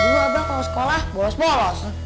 dulu abah kalau sekolah bolos bolos